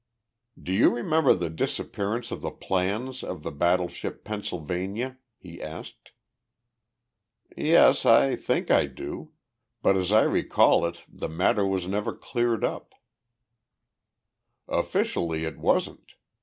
"Do you remember the disappearance of the plans of the battleship Pennsylvania?" he asked. "Yes, I think I do. But as I recall it the matter was never cleared up." "Officially, it wasn't.